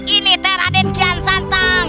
ini teh raden kian santang